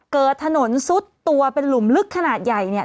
เกิดถนนซุดตัวเป็นหลุมลึกขนาดใหญ่เนี่ย